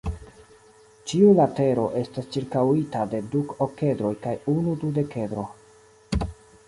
Ĉiu latero estas ĉirkaŭita de du okedroj kaj unu dudekedro.